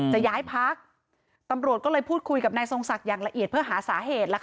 จะย้ายพักตำรวจก็เลยพูดคุยกับนายทรงศักดิ์อย่างละเอียดเพื่อหาสาเหตุ